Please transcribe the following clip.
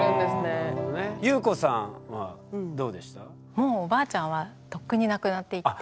もうおばあちゃんはとっくに亡くなっていて。